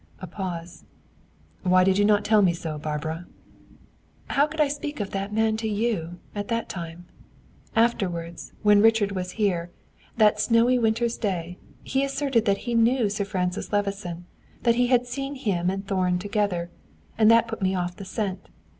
A pause. "Why did you not tell me so, Barbara?" "How could I speak of that man to you, at that time? Afterwards, when Richard was here, that snowy winter's day, he asserted that he knew Sir Francis Levison; that he had seen him and Thorn together; and that put me off the scent.